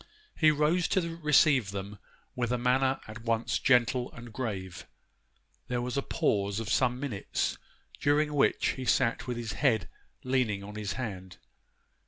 He rose to receive them with a manner at once gentle and grave. There was a pause of some minutes, during which he sat with his head leaning upon his hand.